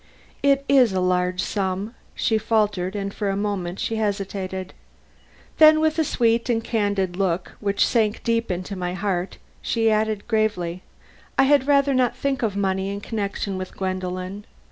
"It is a large sum," she faltered, and for a moment she hesitated. Then, with a sweet and candid look which sank deep into my heart, she added gravely: "I had rather not think of money in connection with Gwendolen.